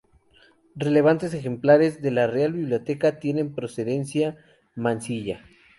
Relevantes ejemplares de la Real Biblioteca tienen procedencia Mansilla.